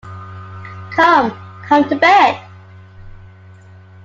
Come, come to bed!